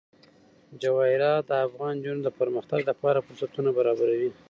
جواهرات د افغان نجونو د پرمختګ لپاره فرصتونه برابروي.